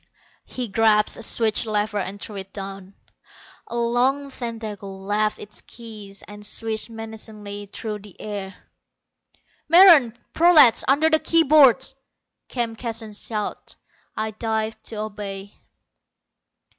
He grasped a switch lever and threw it down. A long tentacle left its keys and swished menacingly through the air. "Meron, prolats, under the key boards!" came Keston's shout. I dived to obey.